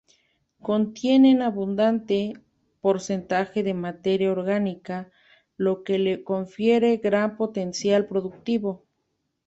Contiene abundante porcentaje de materia orgánica lo que le confiere gran potencial productivo.